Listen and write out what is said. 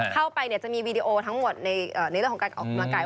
เข้าไปจะมีวีดีโอทั้งหมดในเรื่องของการออกกำลังกาย